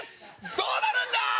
どうなるんだー？